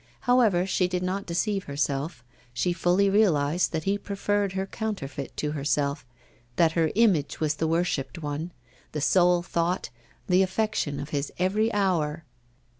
However, she did not deceive herself; she fully realised that he preferred her counterfeit to herself, that her image was the worshipped one, the sole thought, the affection of his every hour.